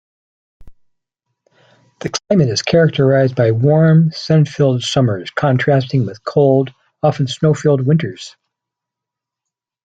The climate is characterized by warm, sun-filled summers contrasting with cold, often snow-filled winters.